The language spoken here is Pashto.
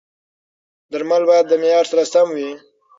درمل باید د معیار سره سم وي.